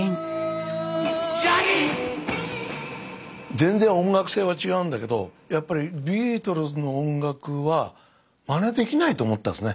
全然音楽性は違うんだけどやっぱりビートルズの音楽はまねできないと思ったんですね。